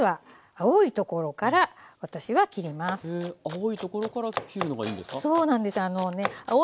青いところから切るのがいいんですか？